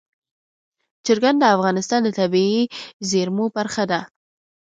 چرګان د افغانستان د طبیعي زیرمو برخه ده.